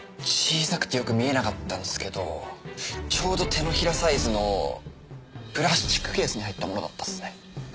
小さくてよく見えなかったんですけどちょうど手のひらサイズのプラスチックケースに入ったものだったっすね。